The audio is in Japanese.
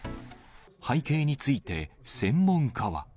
背景について、専門家は。